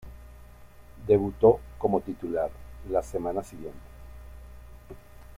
Debutó como titular la semana siguiente.